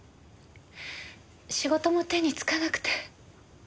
仕事も手につかなくて。